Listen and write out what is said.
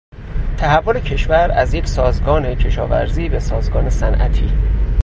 تحول کشور از یک سازگان کشاورزی به سازگان صنعتی